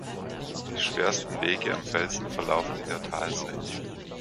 Die schwersten Wege am Felsen verlaufen in der Talseite.